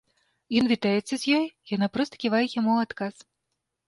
Ён вітаецца з ёй, яна проста ківае яму ў адказ.